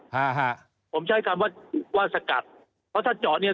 ฮะฮะผมใช้คำว่าว่าสกัดเพราะถ้าเจาะเนี้ย